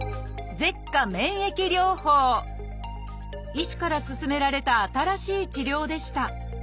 医師から勧められた新しい治療でした。